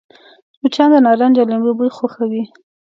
مچان د نارنج او لیمو بوی خوښوي